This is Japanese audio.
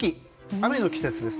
雨の季節です。